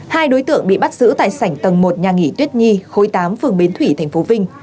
hai đối tượng bị bắt giữ tại sảnh tầng một nhà nghỉ tuyết nhi khối tám phường bến thủy tp vinh